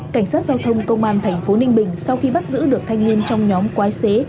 cảnh sát giao thông công an tp ninh bình sau khi bắt giữ được thanh niên trong nhóm quái xế